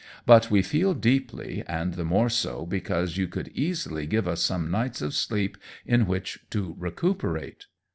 But we feel deeply, and the more so because you could easily give us some nights of sleep in which to recuperate."